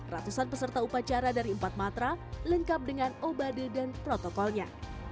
ratusan peserta upacara dari empat matra lengkap dengan obade dan protokolnya